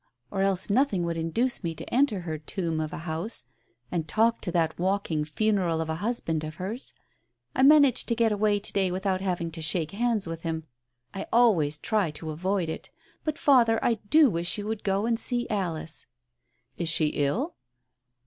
Or else nothing would induce me to enter her tomb of a house, and talk to that walking funeral of a husband of hers. I managed to get away to day without having to shake hands with him. I always try to avoid it. But, father, I do wish you would go and see Alice," "Is she ill?"